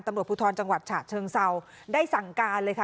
ตำรวจภูทรจังหวัดฉะเชิงเซาได้สั่งการเลยค่ะ